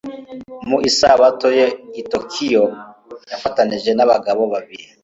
Mu isabato ye i Tokiyo yifatanije n'abagabo babiri